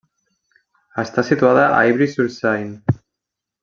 Està situada a Ivry-sur-Seine.